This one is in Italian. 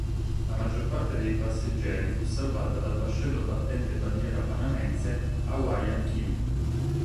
La maggior parte dei passeggeri fu salvata dal vascello battente bandiera panamense "Hawaiian King".